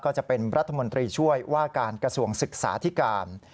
ก็จะเป็นรัฐมนตรีช่วยว่าการกระทรวงศึกษาธิการ